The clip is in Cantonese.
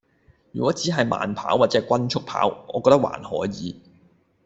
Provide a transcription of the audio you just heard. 如果只係慢跑或者均速跑，我覺得還可以